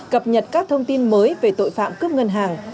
cập nhật các thông tin mới về tội phạm cướp ngân hàng